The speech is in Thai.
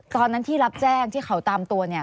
ตอนนั้นที่รับแจ้งที่เขาตามตัวเนี่ย